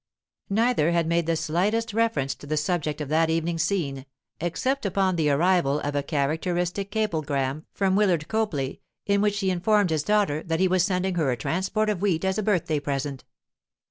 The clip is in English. Neither had made the slightest reference to the subject of that evening's scene, except upon the arrival of a characteristic cablegram from Willard Copley, in which he informed his daughter that he was sending her a transport of wheat as a birthday present.